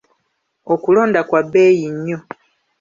Okulonda kwa bbeeyi nnyo.